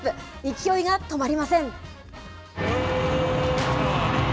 勢いが止まりません。